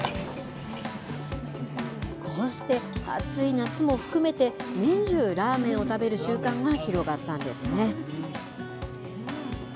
こうして、暑い夏も含めて、年中ラーメンを食べる習慣が広がったんですね。